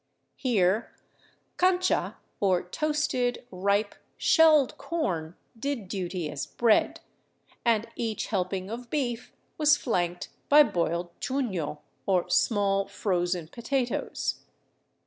Here cancha, or toasted, ripe, shelled corn did duty as bread, and each helping of beef was flanked by boiled chuiio, or small, frozen potatoes.